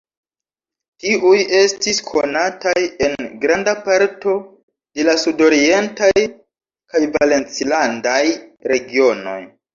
Tiuj estis konataj en granda parto de la sudorientaj kaj valencilandaj regionoj.